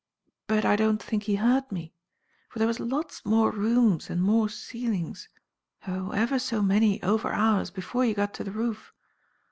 But I don't think He heard me, for there was lots more rooms and more ceilings; oh, ever so many over ours before you got to the roof.